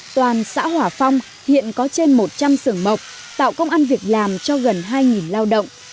toàn xã hòa phong hiện có trên một trăm linh sưởng mộc tạo công an việc làm cho gần hai lao động